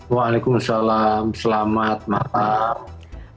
waalaikumsalam selamat malam